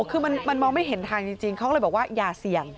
คือมันมองไม่เห็นทางจริงเขาเลยบอกว่าอย่าเสี่ยง